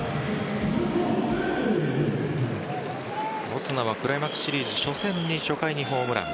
オスナはクライマックスシリーズ初戦初回にホームラン。